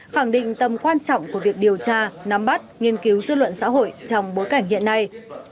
khẳng định tầm quan trọng của việc điều tra nắm bắt nghiên cứu dư luận xã hội trong bối cảnh hiện nay